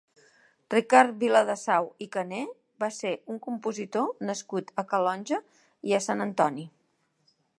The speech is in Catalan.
Ricard Viladesau i Caner va ser un compositor nascut a Calonge i Sant Antoni.